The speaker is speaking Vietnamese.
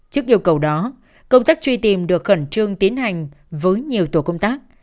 trước yêu cầu đó công tác truy tìm được khẩn trương tiến hành với nhiều tổ công tác